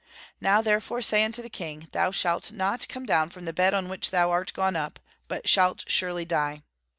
Now, therefore, say unto the king, Thou shalt not come down from the bed on which thou art gone up, but shalt surely die."